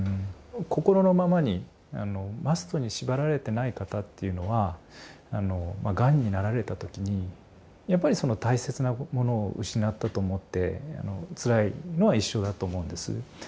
心のままに「ｍｕｓｔ」に縛られてない方っていうのはがんになられた時にやっぱりその大切なものを失ったと思ってつらいのは一緒だと思うんです。